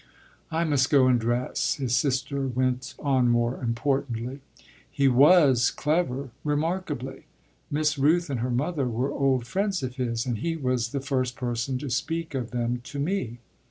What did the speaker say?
I must go and dress," his sister went on more importantly. "He was clever, remarkably. Miss Rooth and her mother were old friends of his, and he was the first person to speak of them to me."